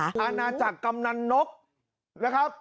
อาณาจักรกำนันนกนะครับ